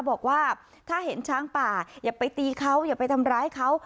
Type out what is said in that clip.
บอกว่าถ้าเห็นช้างป่าอย่าไปตีเขาอย่าไปทำร้ายเขา